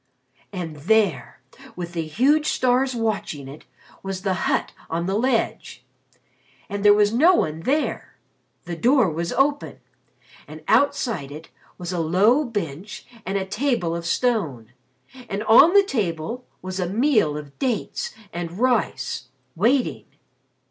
"And there, with the huge stars watching it, was the hut on the ledge. And there was no one there. The door was open. And outside it was a low bench and table of stone. And on the table was a meal of dates and rice, waiting.